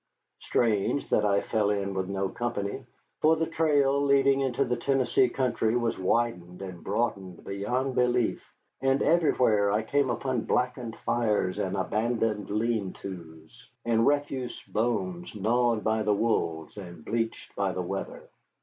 Strange that I fell in with no company, for the trail leading into the Tennessee country was widened and broadened beyond belief, and everywhere I came upon blackened fires and abandoned lean tos, and refuse bones gnawed by the wolves and bleached by the weather.